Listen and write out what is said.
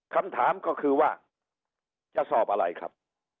คำถามก็คือว่าจะสอบอะไรครับ